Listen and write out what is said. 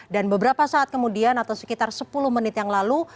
beberapa saat kemudian atau sekitar sepuluh menit yang lalu